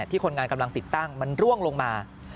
คนงานกำลังติดตั้งมันร่วงลงมา